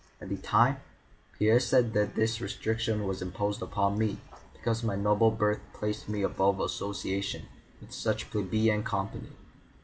At the time, Pierre said that this restriction was imposed upon me because my noble birth placed me above association with such plebeian company.